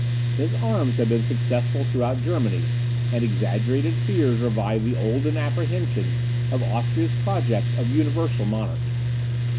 His arms had been successful throughout Germany, and exaggerated fears revived the olden apprehension of Austria's projects of universal monarchy.